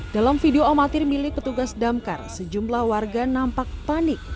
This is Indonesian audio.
dalam video amatir milik petugas damkar sejumlah warga nampak panik